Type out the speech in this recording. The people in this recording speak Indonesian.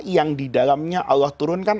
yang didalamnya allah turunkan